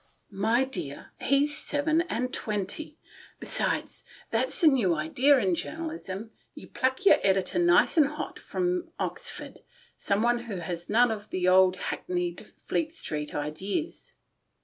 " My dear, he's seven and twenty. Besides, that's the new idea in journalism. You pluck your editor nice and hot from Oxford — some one who has none of the old hackneyed Fleet Street ideas."